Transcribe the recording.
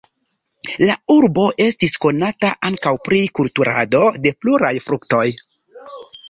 La urbo estis konata ankaŭ pri kulturado de pluraj fruktoj.